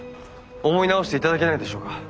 思い直していただけないでしょうか？